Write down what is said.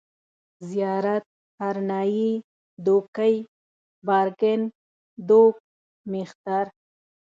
زيارت، هرنايي، دوکۍ، بارکن، دوگ، مېختر